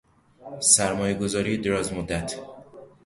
سرمایه گذاری دراز مدت